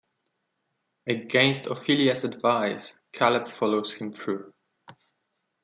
Against Ophelia's advice, Caleb follows him through.